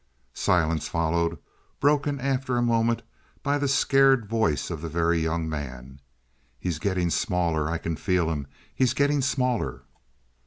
Silence followed, broken after a moment by the scared voice of the Very Young Man. "He's getting smaller, I can feel him. He's getting smaller."